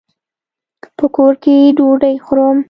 په کور کي ډوډۍ خورم.